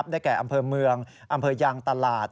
ได้แก่อำเภอเมืองอำเภอยางตลาด